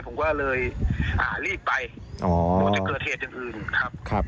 ผมก็เลยอ่ารีบไปโดยจะเกลือเทศอย่างอื่นครับ